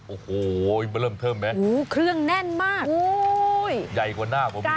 โอ้โหเบอร์เริ่มเพิ่มไหมโอ้โหเครื่องแน่นมากโอ้โหใหญ่กว่าหน้าก็มี